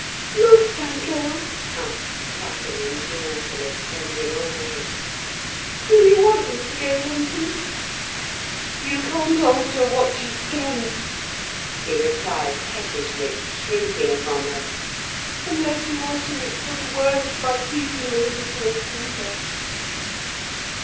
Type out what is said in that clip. "Must I go?" asked Catherine dolefully, bending over him. "Do you want me to go, Linton?" "You can't alter what you've done," he replied pettishly, shrinking from her, "unless you alter it for the worse by teasing me into a fever."